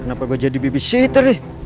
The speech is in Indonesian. kenapa gua jadi babysitter